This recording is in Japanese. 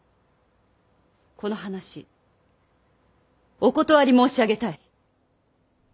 この話お断り申し上げたい。